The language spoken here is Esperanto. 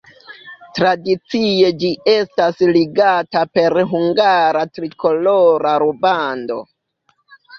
Tradicie ĝi estas ligata per hungara trikolora rubando.